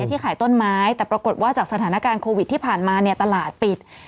ที่ขายต้นไม้แต่ปรากฏว่าจากสถานการณ์โควิดที่ผ่านมาเนี่ยตลาดปิด